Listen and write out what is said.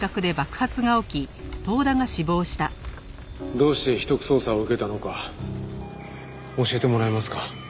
どうして秘匿捜査を受けたのか教えてもらえますか？